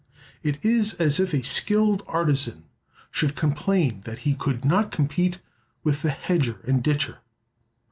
It is as if a skilled artisan should complain that he could not compete with the hedger and ditcher.